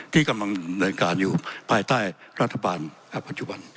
ที่กำลังเดินการอยู่ภายใต้รัฐบาลปัจจุบัน